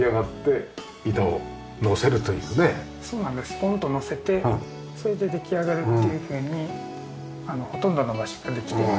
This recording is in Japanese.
ポンとのせてそれで出来上がるっていうふうにほとんどの場所ができてまして。